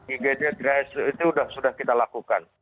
igj gas itu sudah kita lakukan